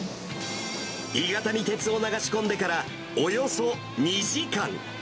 鋳型に鉄を流し込んでからおよそ２時間。